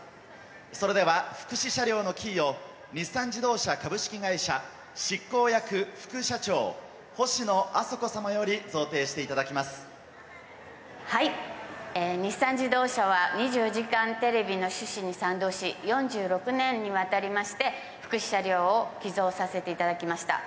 それでは、福祉車両のキーを、日産自動車株式会社執行役副社長、星野朝子様より贈呈していただき日産自動車は２４時間テレビの趣旨に賛同し、４６年にわたりまして、福祉車両を寄贈させていただきました。